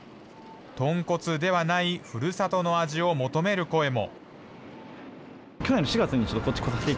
豚骨ではない、ふるさとの味を求める声も。